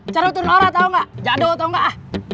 cara lo turun orang tau gak jadul tau gak